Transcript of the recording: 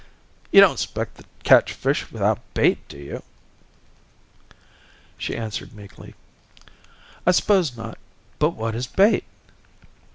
"You don't 'spect to catch fish without bait, do you?" She answered meekly: "I s'pose not, but what is bait?"